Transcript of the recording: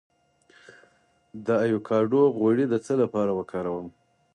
د ایوکاډو غوړي د څه لپاره وکاروم؟